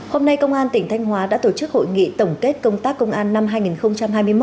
hôm nay công an tỉnh thanh hóa đã tổ chức hội nghị tổng kết công tác công an năm hai nghìn hai mươi một